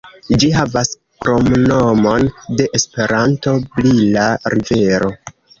Ĝi havas kromnomon de Esperanto, "Brila Rivero".